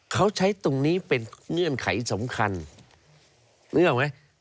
เขาใช้ตรงนี้เป็นเงื่อนไขสำคัญนึกออกไหม